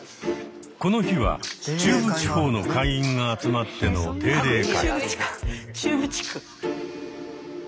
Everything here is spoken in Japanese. この日は中部地方の会員が集まっての「定例会」。